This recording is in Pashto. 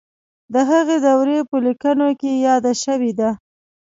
د هغې دورې په لیکنو کې یاده شوې ده.